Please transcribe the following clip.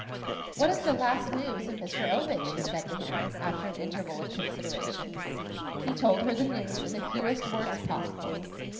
"What is the last news of Mr. Ovid?" she said to him, after an interval of consideration. He told her the news, in the fewest words possible.